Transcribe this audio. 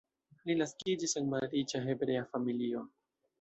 Li naskiĝis en malriĉa hebrea familio.